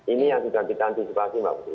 ini yang sudah kita antisipasi mbak putri